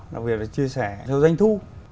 đặc biệt là chia sẻ theo danh thu